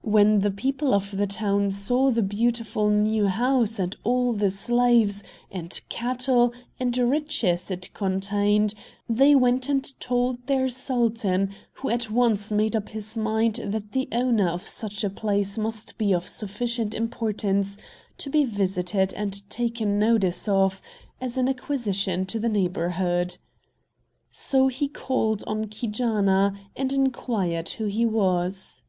When the people of the town saw the beautiful new house and all the slaves, and cattle, and riches it contained, they went and told their sultan, who at once made up his mind that the owner of such a place must be of sufficient importance to be visited and taken notice of, as an acquisition to the neighborhood. So he called on Keejaanaa, and inquired who he was.